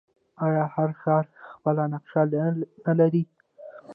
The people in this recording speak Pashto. آیا هر ښار خپله نقشه نلري؟